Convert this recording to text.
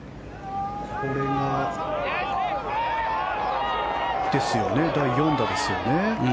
これが第４打ですよね。